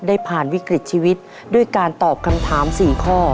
ได้ผ่านวิกฤตชีวิตด้วยการตอบคำถาม๔ข้อ